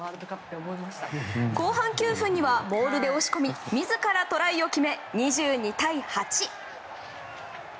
後半９分には、モールで押し込み自らトライを決め２２対８。